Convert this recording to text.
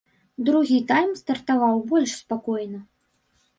Другі тайм стартаваў больш спакойна.